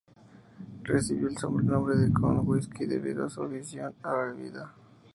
Recibió el sobrenombre de "Kon-whisky" debido a su afición a la bebida.